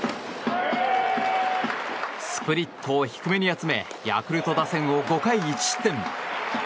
スプリットを低めに集めヤクルト打線を５回１失点。